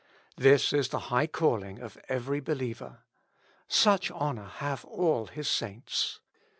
This is the high calling of every behever. '' Such honor have all His saints."